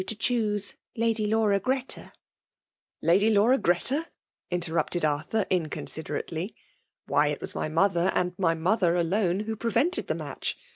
to choose La^y iama, Gfeta.'* << lady Laura Greta? — ^inteirupted. Aiihiir> inconsiderately. '^ Why, it was my mothei;, and my mother alone^ who prevented the match